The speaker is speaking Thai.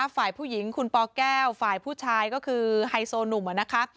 ฝ่ายผู้หญิงคุณปแก้วฝ่ายผู้ชายก็คือไฮโซหนุ่มนะคะ